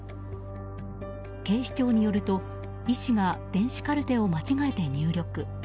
警視庁によると医師が電子カルテを間違えて入力。